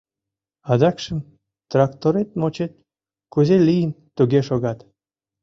Адакшым тракторет-мочет кузе лийын, туге шогат.